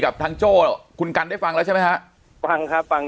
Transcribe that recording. กับทางโจ้คุณกันได้ฟังแล้วใช่ไหมฮะฟังครับฟัง